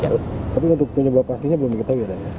tapi untuk penyebab pastinya belum diketahui adanya